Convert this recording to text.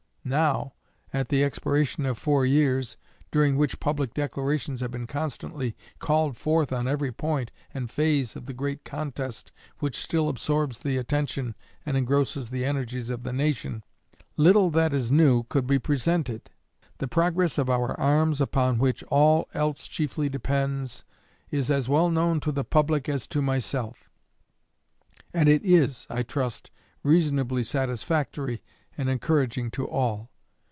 Now, at the expiration of four years, during which public declarations have been constantly called forth on every point and phase of the great contest which still absorbs the attention and engrosses the energies of the Nation, little that is new could be presented. The progress of our arms, upon which all else chiefly depends, is as well known to the public as to myself; and it is, I trust, reasonably satisfactory and encouraging to all.